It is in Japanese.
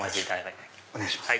お願いします。